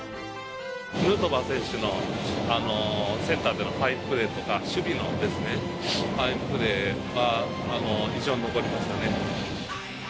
ヌートバー選手のセンターからのファインプレーとか守備のですね、ファインプレーが、印象に残りましたね。